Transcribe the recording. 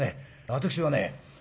私はね